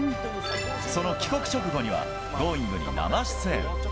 その帰国直後には、Ｇｏｉｎｇ！に生出演。